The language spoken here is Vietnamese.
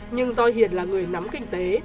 nhưng do hiền là người nắm kinh tế